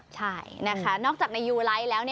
ใช่นะคะนอกจากในยูไลท์แล้ว